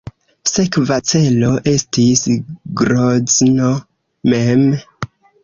Sekva celo estis Grozno mem.